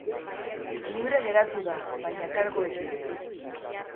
Libre geratu da, baina karguekin.